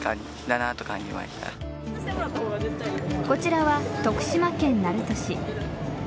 こちらは徳島県鳴門市。